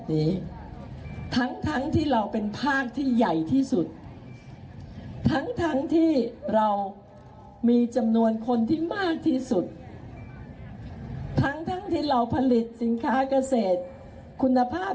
ก็ดีมากที่สุดแต่เราจนที่สุดในประเทศครับ